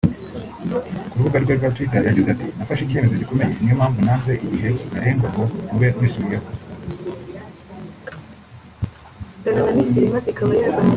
Ku rubuga rwe rwa twitter yagize ati “nafashe icyemezo gikomeye niyo mpamvu ntanze igihe ntarengwa ngo mube mwisubiyeho”